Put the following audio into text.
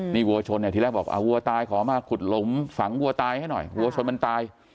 นี่วัวชนเนี่ยทีแรกบอกวัวตายขอมาขุดหลุมฝังวัวตายให้หน่อยวัวชนมันตาย